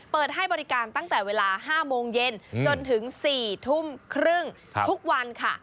เปิดให้บริการตั้งแต่เวลา๕โมงเย็นจนถึง๔ทุ่มครึ่งทุกวันค่ะ